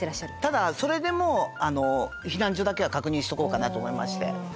ただそれでも避難所だけは確認しとこうかなと思いまして。